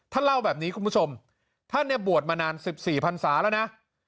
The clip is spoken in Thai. เล่าแบบนี้คุณผู้ชมท่านเนี่ยบวชมานาน๑๔พันศาแล้วนะ